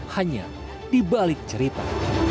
hanya di balik cerita